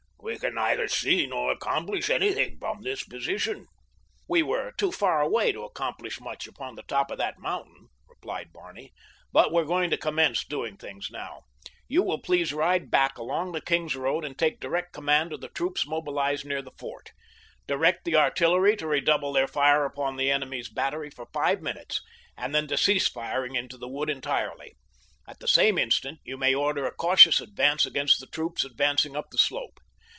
We can neither see nor accomplish anything from this position." "We were too far away to accomplish much upon the top of that mountain," replied Barney, "but we're going to commence doing things now. You will please to ride back along the King's Road and take direct command of the troops mobilized near the fort. "Direct the artillery to redouble their fire upon the enemy's battery for five minutes, and then to cease firing into the wood entirely. At the same instant you may order a cautious advance against the troops advancing up the slope.